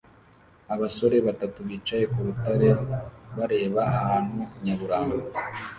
Abasore batatu bicaye ku rutare bareba ahantu nyaburanga